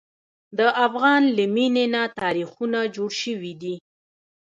د افغان له مینې نه تاریخونه جوړ شوي دي.